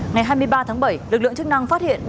ngày hai mươi ba tháng bảy lực lượng chức năng phát hiện